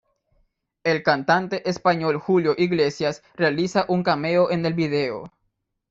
El cantante español Julio Iglesias realiza un cameo en el video.